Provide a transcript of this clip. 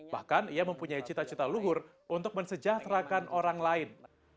bahkan ia mempunyai cita cita luhur untuk mensejahterakan orang lain